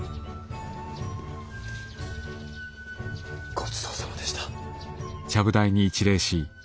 ごちそうさまでした。